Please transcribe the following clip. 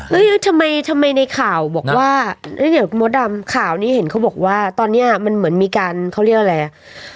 เฮ้ยทำไมในข่าวบอกว่านี่เห็นเขาบอกว่าตอนนี้มันเหมือนมีการเขาเรียกว่าอะไร